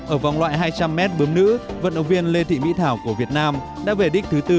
ở vòng loại hai trăm linh m bớm nữ vận động viên lê thị mỹ thảo của việt nam đã về đích thứ tư